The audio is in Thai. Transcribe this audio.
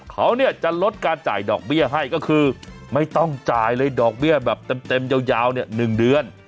เขาเนี่ยจะลดการจ่ายดอกเบี้ยให้ก็คือไม่ต้องจ่ายเลยดอกเบี้ยแบบเต็มยาว๑เดือน